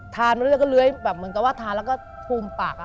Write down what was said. ทานแล้วก็เลื้อยแบบเหมือนกันว่าทานแล้วก็พูมปาก